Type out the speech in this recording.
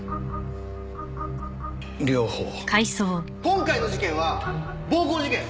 今回の事件は暴行事件。